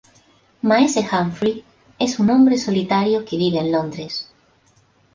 Maese Humphrey es un hombre solitario que vive en Londres.